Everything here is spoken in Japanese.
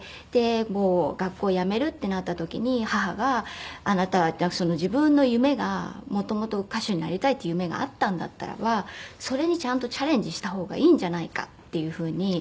で学校辞めるってなった時に母が「あなたは自分の夢が元々歌手になりたいっていう夢があったんだったらばそれにちゃんとチャレンジした方がいいんじゃないか」っていうふうに。